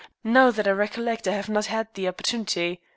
Now that I recollect, I have not had the opportunity.